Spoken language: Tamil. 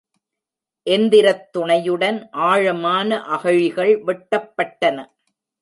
எந்திரத்துணையுடன் ஆழமான அகழிகள் வெட்டப்பட்டன.